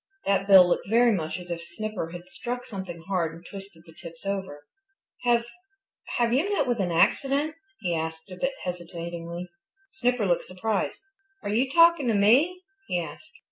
That bill looked very much as if Snipper had struck something hard and twisted the tips over. "Have have you met with an accident?" he asked a bit hesitatingly. Snipper looked surprised. "Are you talking to me?" he asked.